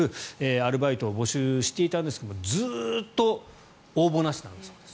アルバイトを募集していたんですがずっと応募なしだそうです。